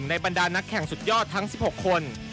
บรรดานักแข่งสุดยอดทั้ง๑๖คน